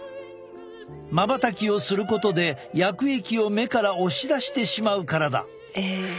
まばたきをすることで薬液を目から押し出てしまうからだ。